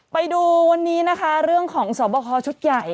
ไปดูวันนี้นะคะเรื่องของสวบคอชุดใหญ่